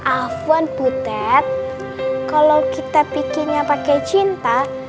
afwan putet kalau kita pikirnya pakai cinta